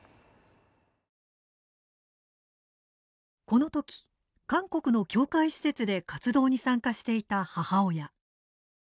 この時、韓国の教会施設で活動に参加していた母親。